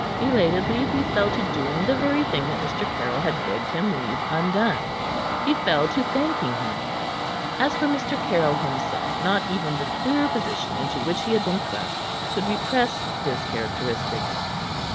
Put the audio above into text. Belatedly he fell to doing the very thing that Mr. Caryll had begged him to leave undone: he fell to thanking him. As for Mr. Caryll himself, not even the queer position into which he had been thrust could repress his characteristics.